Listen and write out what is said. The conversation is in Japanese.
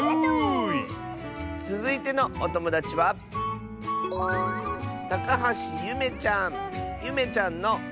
つづいてのおともだちはゆめちゃんの。